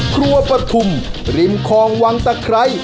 ครัวปะทุ่มริมคองวังตะไคร